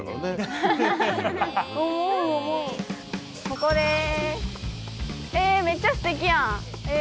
ここです。